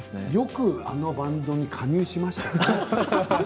よくあのバンドに加入しましたね。